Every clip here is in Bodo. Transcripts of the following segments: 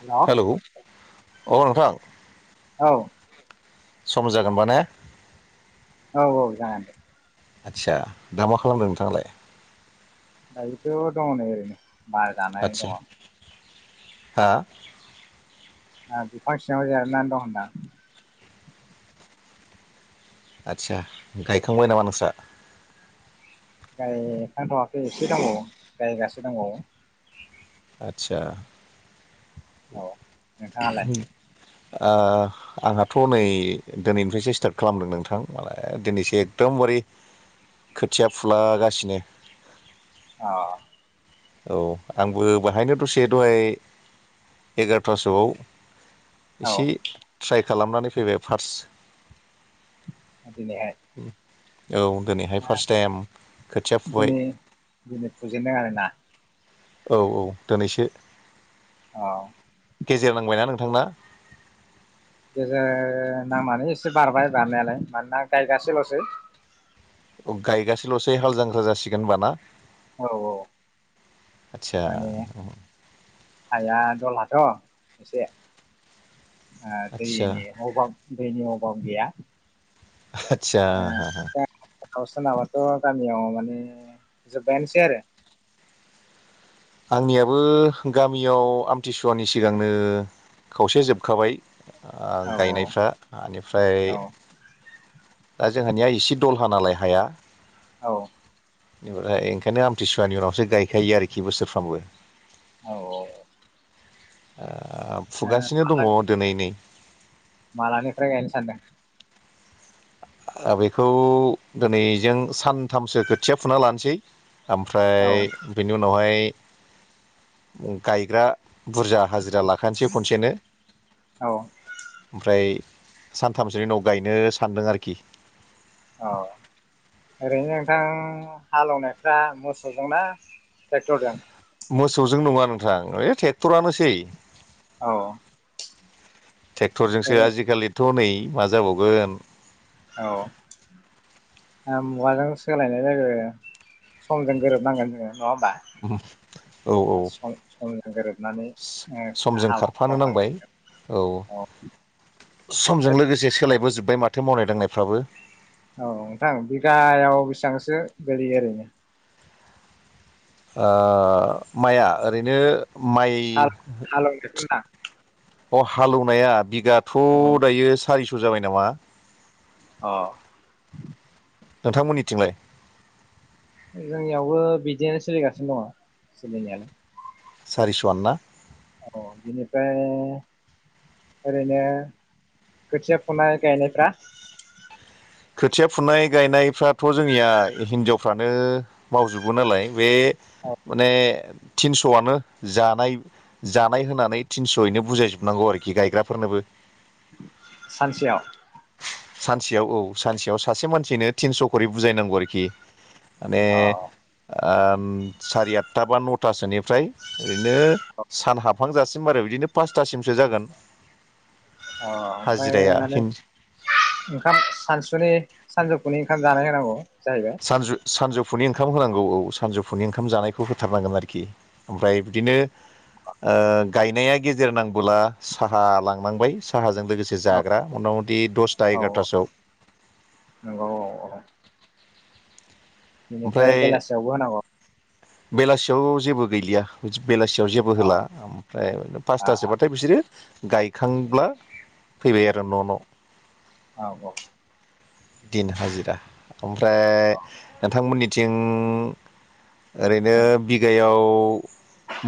हेल' औ हेलौ अ नोंथां औ सम जागोन माने औ-औ जागोन दे। आदसा दा मा खालामदों नोंथाङालाय? दायोथ' दङ नै ओरैनो बारा जानाय आदसा दङ। हा आ बिफां सिङाव जिरायना दं होनदां। आदसा गायखांबाय नामा नोंस्रा? गाय खांथावाखै एसे दंबावो गायगासे दंबावो। आदसा औ नोंथाङालाय आंहाथ' नै दिनैनिफ्रायसो स्टार्ट खालामदों नोंथां माने दिनैसो एकदम खोथिया फुलागासिनो अ औ आंबो बाहायनो दसे दहाय एगार'थासोआव औ इसे ट्राइ खालामनानै फैबाय फार्स्ट दिनैहाय औ दिनैहाय फार्स्ट टाइम खोथिया फुबाय दिनै दिनै फुजेनदों आरोना औ औ दिनैसो औ गेजेर नांबायना नोंथांना? गेजेर नांनानै एसे बारबाय बारनायालाय मानोना गायगासेल'सै। गायगासेल'सै हाल जांख्रा जासिगोन होनबा ना? औ औ आथसा माने हाया दलाथ' एसे ओ आदसा दैनि अभाब दैनि अभाब गैया। आतसा हा हा गाव सोनाबाथ' गामियाव माने जोब्बायानोसै आरो आंनियाबो गामियाव आमथिसुवानि सिगांनो खावसे जोबखाबाय ओ आरो औ गायनायफ्रा आनिफ्राय औ दा जोंहानिया इसे दलहा नालाय हाया औ। बेनिफ्राय ओंखायनो आमथिसुवानि उनावसो गायखायो आरोखि बोसोरफ्रामबो। औ औ। ओ फुगासिनो दंङ दिनै नै मालानिफ्राय गायनो सानदों? ओ बेखौ दिनैजों सानथामसो खोथिया फुना लानोसै ओमफ्राय औ बेनि उनावहाय गायग्रा बुरजा हाजिरा लाखानोसै खनसेनो औ ओमफ्राय सानथामसो उनाव गायनो सानदों आरोखि खि औ ओरैनो नोंथां हालेवनायफ्रा मोसौजोंना ट्रेक्टरजों? मोसौजों नंङा नोंथां ओइ ट्रेक्टरानोसै औ ट्रेक्टरजोंसो ओरै आजिखालि हनै मा जाबावगोन औ। मुगाजों सोलायनाय जायो समजों गोरोबनांगोन जोंङो नङा होमबा? औ औ सम समजों गोरोबनानै समजों खारफानो नांबाय [unintelligible] औ। समजों लोगोसे सोलायबोजोबबाय माथो मावनाय दांनायफ्राबो औ नोंथां बिगायाव बेसेबांसो बोरै ओरैनो? ओ माइआ ओरैनो माइ हाल हालौनायखौ अ हालेवनाया बिगाथ' होनदां दायो सारिस' जाबाय नामा अ नोंथांमोननिथिंलाय? जोंनियावबो बिदिनो सोलिगासिनो दङ सोलिनायालाय सारिस'आनो ना? औ बिनिफ्राय ओरैनो खोथिया फुनाय गायनायफ्रा खोथिया फुनाय गायनायफ्राथ' जोंनिया हिनजावफ्रानो मावजोबो नालाय बे औ माने थिनस'आनो जानाय जानाय होननानै थिनस'यैनो बुजायजोबनांगौ आरो रोखि गायग्राफोरनोबो। सानसेयाव? सानसेयाव औ सानसेयाव सासे मानसिनो थिनस' खरि बुजायनांगौ आरोखि। माने अ ओ सारि आठथा बा नथासोनिफ्राय ओरैनो सान हाबहां जासिम आरो बिदि बिनो पासथासिमसो जागोन। अ ओमफ्राय हाजिराया माने ओंखाम सानसु सुनि सानजौफु ओंखाम जानाय होनांगौ। जाहैबाय सानजु सानजौ फुनि ओंखाम होनांगौ औ सानजौफुनि ओंखाम जानायखौ होथारनांगोन आरोखि ओमफ्राय बिदिनो ओ गायनाया गेजेर नांबोला साहा लांनांबाय साहाजों लोगोसे औ जाग्रा मथा मथि दसथा औ एगार'थासोआव नंगौ औ बेनिफ्राय ओमफ्राय बेलासियावबो होनांगौ। बेलासियाव जेबो गैलिया। बेलासियाव जेबो अ होला ओमफ्राय आ फासथासोबाथाय बिसोरो गायखांब्ला फैबाय आरो न' न' औ औ दिन हाजिरा ओमफ्राय औ नोंथांमोननिथिं ओरैनो ओ बिगायाव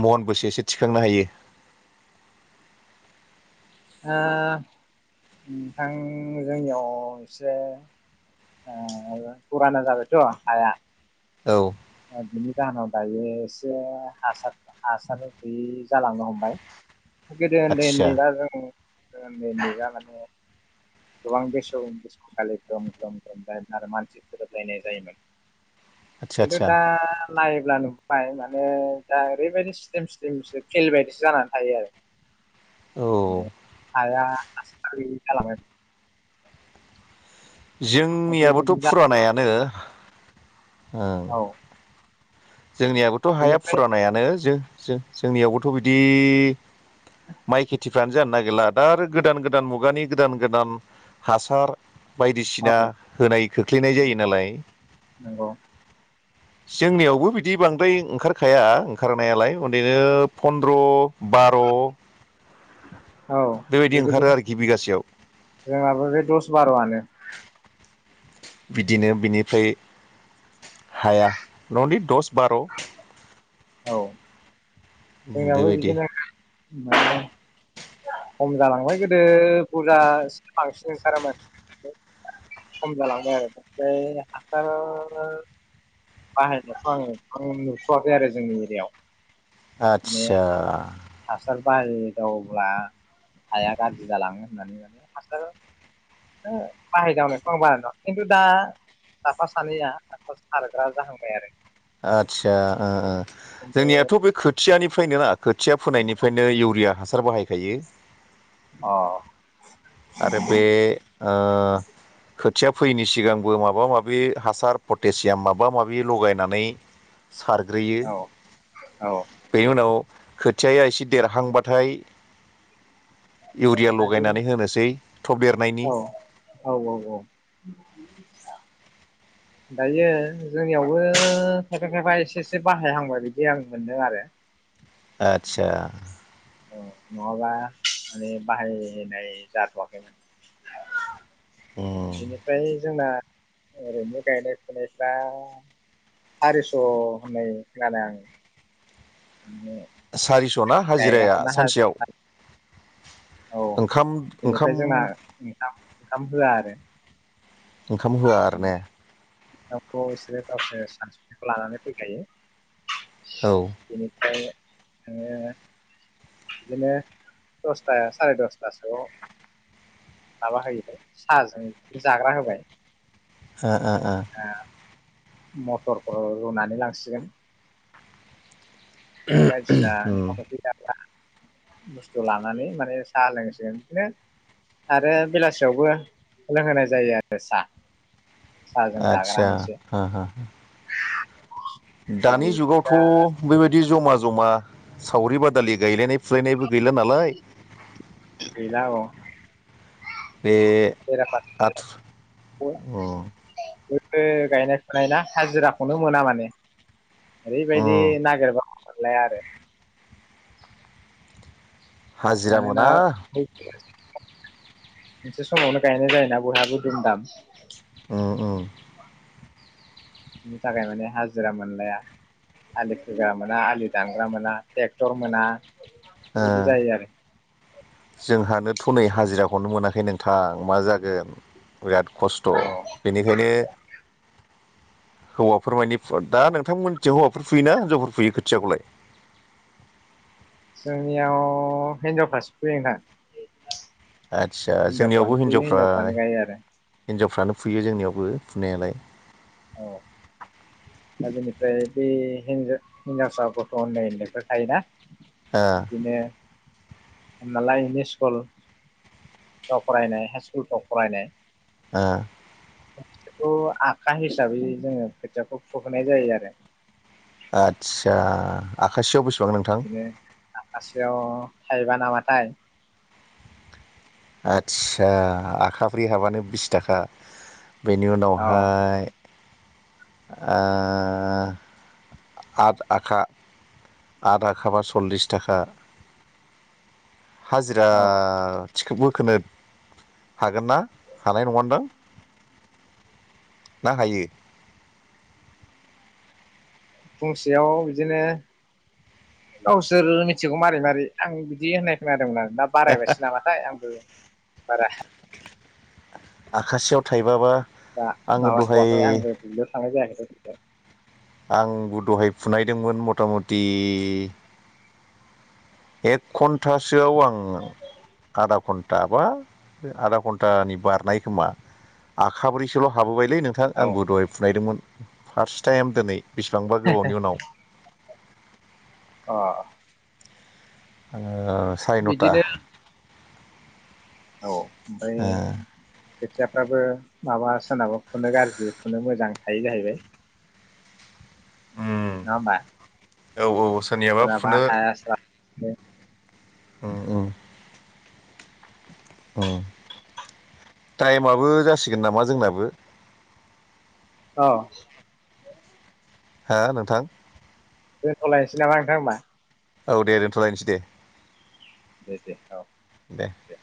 महन बसेसे थिखांनो हायो? ओ नोंथां जोंनियाव एसे ए फुराना जाबायथ' हाया औ [unintelligible] एसे हासार हासार गैयि जालांनो हमबाय। गोदो उन्दै आदसा उन्दैला जों गोदो उन्दै उन्दैला माने गोबां बेसो बेसोंगालि ग्रोम ग्रोम ग्रोम जायोमोन आरो मानसि थोरोबलायनाय जायोमोन। आदसा खिन्थु आदसा दा नायोब्ला नुबाय माने दा ओरैबायदि स्लिम स्लिमसो फिल बायदिसो जानानै थायो आरो। [unintelligible] हाया हासार गैयै जालांबाय दा बेबायदि जोंनियाबोथ' जा फुरानायानो औ जोंनियाबोथ' हाया बेनिफ्राय फुरानायानो जो जो जोंनियावबोथ' बिदि माइ खेथिफ्रानो जानो नागिरला दा आरो गोदान गोदान मुगानि गोदान गोदान हासार बायदिसिना औ होनाय खोख्लैनाय जायो नालाय नंगौ जोंनियावबो बि बिदि बांद्राय ओंखारखाया ओंखारनायालाय ओन्दैनो फन्द्र' बार' [inaudible] औ बेबायदि ओंखारो आरोखि बेबायदिनो बिगासेयाव जोंहाबो बे दस बार'आनो बिदिनो बिनिफ्राय हाया न'नि दस बार' औ जोंनावो बेबायदि बिदिनो खम जालांबाय गोदो बुरजा बांसिन ओंखारोमोन। खम जालांबाय आरो ओमफाय हासार बाहायनायखौ आं नुथ'वाखै आरो जोंनि एरियायाव आतचा बाहेर दावब्ला हाया गाज्रि जालाङो होननानै माने हासार बाहायदावनोखौ बारा नुवाखै खिन्थु दा साफा सानैया हासार सारग्रा जाहांबाय आरो आदसा ओ ओ खिन्थु जोंनियाथ' बे खोथियानिफ्रायनो ना खोथिया फोनायनिफ्रायनो इउरिया हासार बाहायखायो। अ आरो बे ओ खोथिया फैयैनि सिगांबो माबा माबि हासार पटेसियाम माबा माबि लगायनानै सारग्रोयो औ औ बेनि उनाव खोथिया एसे देरहांबाथाय इउरिया दायो लगायनानै होनोसै थब देरनायनि औ औ औ औ दायो जोंनियावबो खायफा खायफा एसे एसे बाहायहांबाय बिदि आं मोनदों आरो आतसा औ नङाबा माने बाहायनाय जाथ'वाखैमोन। उम बिनिफ्राय जोंना ओरैनो गायनाय फुनायफ्रा। सारिस' होननाय खोनादो आं। माने सारिस' ना हाजिराया गायग्राफोरना हा सानसेयाव। औ ओंखाम ओंखाम बेनिफ्राय जोंना ओंखाम ओंखाम होआ आरो। ओंखाम होआ आरो ने। गावखौ बिसोरो गावसोर सानस्रिनायखौ लानानै फैखायो। औ ओ बिनिफ्राय ओ। बिदिनो दसता सारिदसथा सोआव। माबा होयोबाय साहाजों जाग्रा होबाय। ओ ओ ओ मटरफोर रुनानै लांसिगोन। दा बायदिसिना उम ओंखामखै जाब्रा। बुस्थु लानानै माने साहा लोंसिगोन बिदिनो। आरो बेलासियावबो लोंहोनाय जायो आरो साहा। साहाजों जाग्रा आदसा मोनसे। हो हो दा दानि बेथ' दा जुगावथ' बेबायदि जमा जमा सावरि बादि। दालि गायलायनाय फुलायनायबो गैला नालाय। बे बेरा फारसे आथु बो। उम बो गायनाय फुनाय ना हाजिराखौनो मोना माने ओरैबायदि उम नागिरबा। मोनलाया आरो। हाजिरा मानोना मोना मोनसे समावनो गायनो जायना बयहाबो दुम दाम। उम उम। बिनि थाखाय माने हाजिरा मोनलाया। आलि खोगा मोना आलि दाम्रा मोना ट्रेक्टर मोना। बेबायदि जायो आरो । जोंहानोथ'नै हाजिराखौनो मोनाखै नोंथां मा जागोन। बिराद खस्थ' औ बेनिखायनो। हौवाफोर मानानि दा नोंथांमोनथियाव हौवाफोर फुयो नािनजावफोर फुयो खोथ थिखौ लाय। जोंनियाव हिनजावफ्रासो फुयो नोंथां। आदसा हिनजावफ्रानो जोंनियावबो फुयो हिनजावफ्रा हिनजावफ्रानो गायो आरो हिन्जाव। फ्रानो फुयो जोंनियावबो फुनायालाय। औ दा बेनिफ्राय बे हिन्जाव हिन्जावसा गथ' उन्दै उन्दैफोर थायोना। ओ बिदिनो हमनालाय इमि स्कुलफ्राव फरायनाय हाइ स्कुलफ्राव फरायनाय। ओ खौ आखा हिसाबै जोङो खोथियाखौ फुहोनाय जायो आरो। आतसा आखासि आव बेस बिदिनो आखासेयाव थाइबा नामाथाय। आदसा आखाब्रै हाबानो बिस थाखा। बेनि औ उनावहाय। आ । आठ आखा आठ आखा सल्लिस थाखा। हाजिरा। औ टिकेटबोखो हागोन ना हानाय नङा नोंदां। ना हायो? फुंसेयाव बिदिनो गावसोर मिथिगौ मारै मारै आं बिदि होननाय खोनादोंमोन आं। दा बारायगासनो ना माथाय आंबो बारा। आखाासेयाव थाइबा बा। दा माबाथवाखै। आंबो दुब्लियाव थांनाय जायाखै दासानदि [unintelligible] आंबो दहय फुनायदोंमोन मता मति। एक घन्टासोआव आं। आधा घन्टा बा आधा घन्टानि बारनाय खोमा। आखाब्रैसोल' हाबोबाय। है नोंथां औ आंबो दहाय फुनायदोंमोन फार्स्ट टाइम दिनै बेसिबांबा गोबावनि उनाव अ ओ सारि नौटा। बिदिनो औ ओमफ्राय खोथ खोथियाफ्राबो माबा सोरनाबा फुनो गाज्रि फुनो मोजां थायो जाहैबाय। उम नंङा होमबा औ औ सोरनियाबा सोराबा फुनो हाया स्रा थाङो। ओमओम। उम टाइमाबो जासिगोन नामा जोंनाबो? औ हा नोंथां? दोनथ'लायनोसै नामा नोंथां होमबा? औ दे दोनथ'लायनोसै दे। दे दे औ दे।